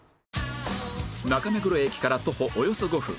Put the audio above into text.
中目黒駅から徒歩およそ５分